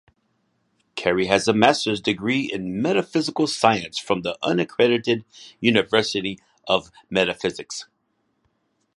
Carey has a master's degree in Metaphysical Science from the unaccredited University of Metaphysics.